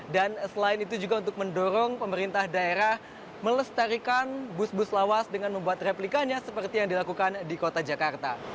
dan selain itu juga untuk mendorong pemerintah daerah melestarikan bus bus lawas dengan membuat replikanya seperti yang dilakukan di kota jakarta